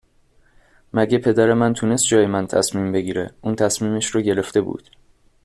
مگه پدر من تونست جای من تصمیم بگیره؟ اون تصمیمش رو گرفته بود